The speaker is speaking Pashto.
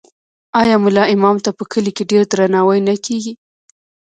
آیا ملا امام ته په کلي کې ډیر درناوی نه کیږي؟